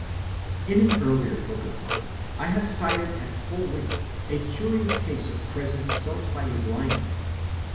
In an earlier book of mine I have cited at full length a curious case of presence felt by a blind man.